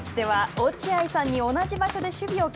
落合さん